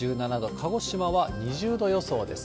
鹿児島は２０度予想です。